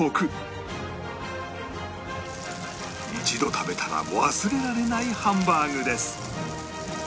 一度食べたら忘れられないハンバーグです